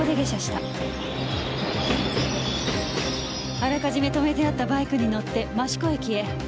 あらかじめ止めてあったバイクに乗って益子駅へ。